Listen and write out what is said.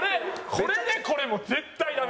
これでこれ絶対ダメ。